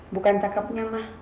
bukan cakepnya ma